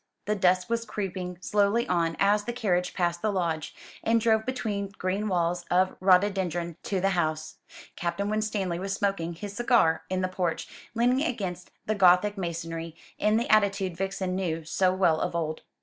The dusk was creeping slowly on as the carriage passed the lodge, and drove between green walls of rhododendron to the house. Captain Winstanley was smoking his cigar in the porch, leaning against the Gothic masonry, in the attitude Vixen knew so well of old.